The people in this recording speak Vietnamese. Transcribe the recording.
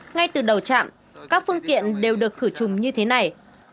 ngay từ đầu trạm các phương kiện đều được khử trùng như thế này